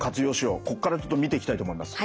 ここからちょっと見ていきたいと思います。